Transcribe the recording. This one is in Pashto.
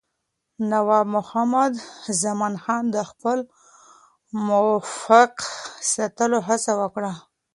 نواب محمد زمانخان د خپل موقف ساتلو هڅه وکړه.